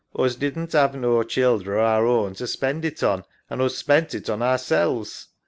Us didn't 'ave no childer o' our own to spend it on, an' us spent it on ourselves.